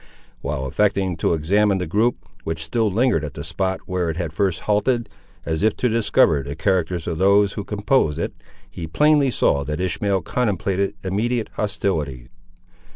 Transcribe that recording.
While affecting to examine the group, which still lingered at the spot where it had first halted, as if to discover the characters of those who composed it, he plainly saw that Ishmael contemplated immediate hostilities.